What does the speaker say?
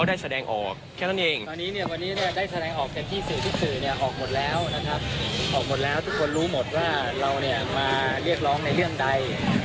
มันไม่ใช่แค่เรื่องสื่อครับพี่